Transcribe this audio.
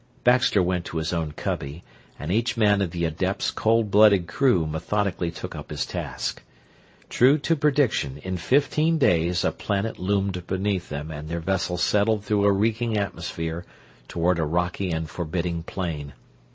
Baxter went to his own cubby, and each man of the adept's cold blooded crew methodically took up his task. True to prediction, in fifteen days a planet loomed beneath them and their vessel settled through a reeking atmosphere toward a rocky and forbidding plain.